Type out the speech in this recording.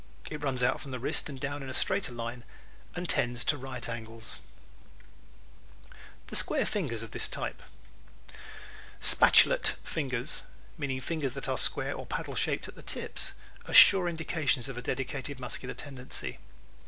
It runs out from the wrist and down in a straighter line and tends to right angles. (See Chart 6) The Square Fingers of This Type ¶ "Spatulate fingers" meaning fingers that are square or paddle shaped at the tips are sure indications of a decided muscular tendency.